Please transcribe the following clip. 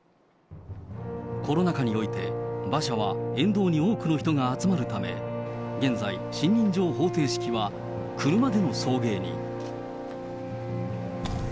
コロナ禍において、馬車は沿道に多くの人が集まるため、現在、信任状捧呈式は車での送迎に。